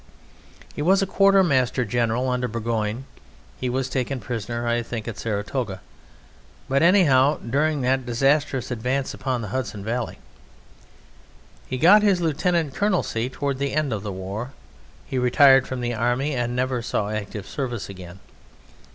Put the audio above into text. He was quarter master general under Burgoyne, he was taken prisoner I think at Saratoga, but anyhow during that disastrous advance upon the Hudson Valley. He got his lieutenant colonelcy towards the end of the war. He retired from the Army and never saw active service again.